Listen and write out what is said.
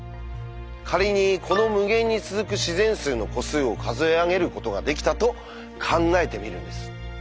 仮にこの無限に続く自然数の個数を数えあげることができたと考えてみるんです。